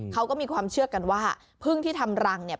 เขาก็มีความเชื่อกันว่าพึ่งที่ทำรังเนี่ย